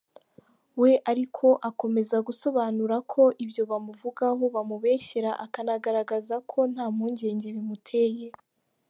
We ariko akomeza gusobanura ko ibyo bamuvugaho bamubeshyera, akanagaragaza ko nta mpungenge bimuteye.